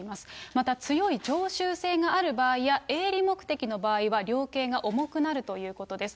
また強い常習性がある場合や営利目的の場合は、量刑が重くなるということです。